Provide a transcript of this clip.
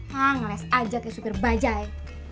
ha ngeles aja kayak sopir bajaj